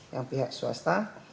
yang pihak swasta